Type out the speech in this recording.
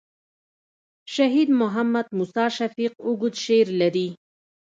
شهید محمد موسي شفیق اوږد شعر لري.